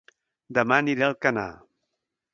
Dema aniré a Alcanar